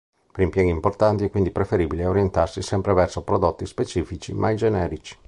Per impieghi importanti è quindi preferibile orientarsi sempre verso prodotti specifici, mai generici.